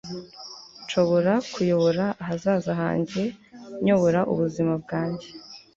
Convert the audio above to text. nshobora kuyobora ahazaza hanjye; nyobora ubuzima bwanjye